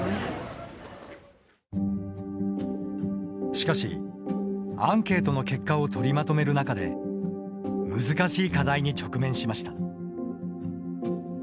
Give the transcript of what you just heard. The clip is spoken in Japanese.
しかし、アンケートの結果を取りまとめる中で難しい課題に直面しました。